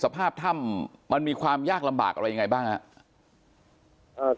สภาพถ้ำมันมีความยากลำบากอะไรยังไงบ้างครับ